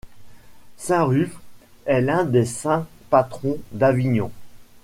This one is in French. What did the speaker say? Saint Ruf est l'un des saints patrons d'Avignon.